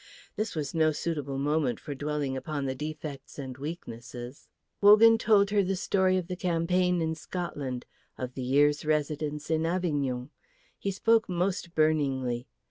This was no suitable moment for dwelling upon the defects and weaknesses. Wogan told her the story of the campaign in Scotland, of the year's residence in Avignon. He spoke most burningly.